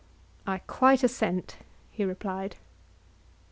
I quite assent, he replied.